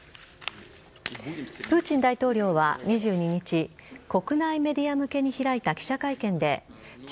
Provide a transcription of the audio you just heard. プーチン大統領は２２日国内メディア向けに開いた記者会見で地